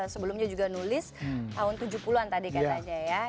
sebelumnya juga nulis tahun tujuh puluh an tadi katanya ya